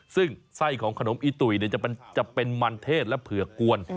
ซึ่งไส้ของขนมอีตุ๋ยจะเป็นมันเทศและเผือกกวน